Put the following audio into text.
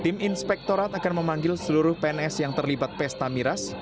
tim inspektorat akan memanggil seluruh pns yang terlibat pesta miras